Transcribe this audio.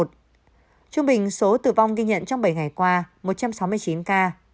trung bình số tử vong ghi nhận trong bảy ngày qua một trăm sáu mươi chín ca